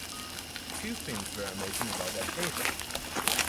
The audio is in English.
Two things were amazing about that paper.